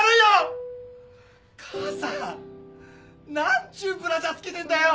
母さん何ちゅうブラジャー着けてんだよ！